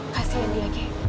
kasihin dia kay